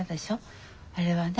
あれはね